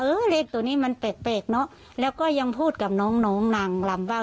เลขตัวนี้มันแปลกเนอะแล้วก็ยังพูดกับน้องน้องนางลำว่า